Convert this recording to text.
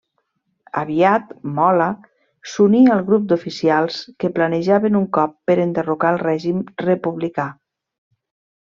Aviat Mola s'uní al grup d'oficials que planejaven un cop per enderrocar el règim republicà.